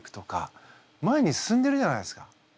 前に進んでるじゃないですか。